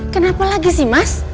kenapa lagi sih mas